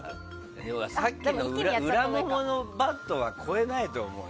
さっきの裏もものバットは超えないと思う。